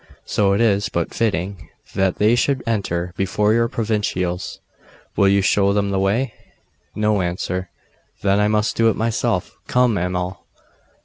So it is but fitting that they should enter before your provincials. Will you show them the way?' No answer. 'Then I must do it myself. Come, Amal!